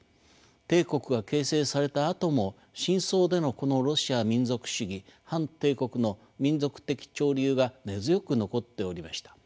帝国が形成されたあとも深層でのこのロシア民族主義反帝国の民族的潮流が根強く残っておりました。